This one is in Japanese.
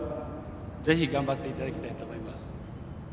ぜひ頑張っていただきたいと思います。